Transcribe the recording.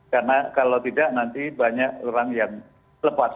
karena kalau tidak nanti banyak orang yang lepas